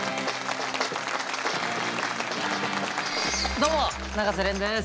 どうも永瀬廉です。